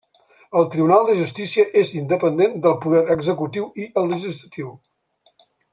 El Tribunal de Justícia és independent del poder executiu i el legislatiu.